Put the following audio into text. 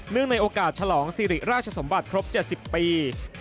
ในโอกาสฉลองสิริราชสมบัติครบ๗๐ปี